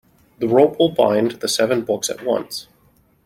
The rope will bind the seven books at once.